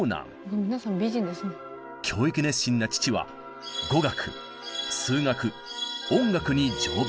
教育熱心な父は語学数学音楽に乗馬。